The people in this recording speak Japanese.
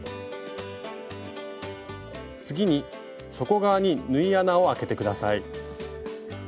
次に底側に縫い穴をあけて下さい。